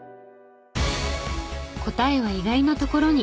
答えは意外なところに。